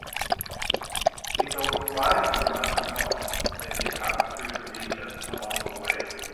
He built five mud mosques as he passed through the region along the way.